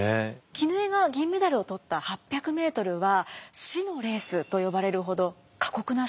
絹枝が銀メダルを取った８００ｍは死のレースと呼ばれるほど過酷な種目でした。